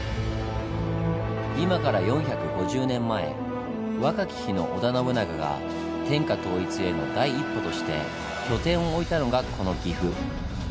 今から４５０年前若き日の織田信長が天下統一への第一歩として拠点を置いたのがこの岐阜。